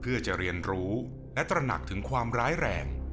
เพื่อจะเรียนรู้และตระหนักถึงความร้ายแรง